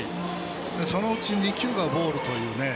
そのうち２球がボールというね。